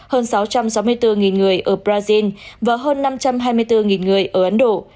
hơn sáu trăm sáu mươi bốn người ở brazil và hơn năm trăm hai mươi bốn người ở ấn độ